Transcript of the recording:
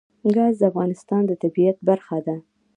ګاز د افغانستان د طبیعت برخه ده.